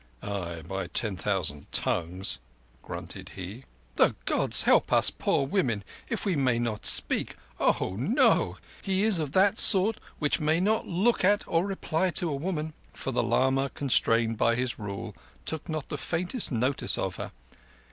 "Ay, by ten thousand tongues," grunted he. "The Gods help us poor women if we may not speak. Oho! He is of that sort which may not look at or reply to a woman." For the lama, constrained by his Rule, took not the faintest notice of her.